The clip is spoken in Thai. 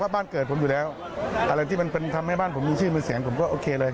บ้านเกิดผมอยู่แล้วอะไรที่มันทำให้บ้านผมมีชื่อมีเสียงผมก็โอเคเลย